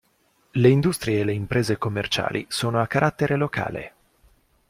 Le industrie e le imprese commerciali sono a carattere locale.